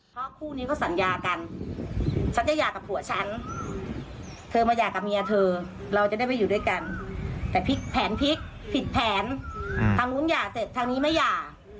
เพราะคู่นี้ก็สัญญากันฉันจะหย่ากับผัวฉันเธอมาหย่ากับเมียเธอเราจะได้ไปอยู่ด้วยกันแต่พลิกแผนพลิกผิดแผนทางนู้นหย่าเสร็จทางนี้ไม่หย่า